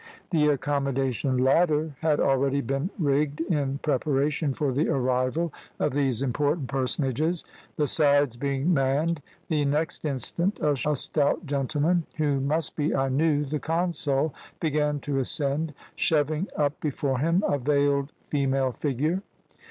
"The accommodation ladder had already been rigged in preparation for the arrival of these important personages. The sides being manned, the next instant a stout gentleman who must be, I knew, the consul, began to ascend, shoving up before him a veiled female figure.